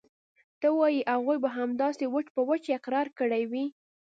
ته وايې هغوى به همداسې وچ په وچه اقرار کړى وي.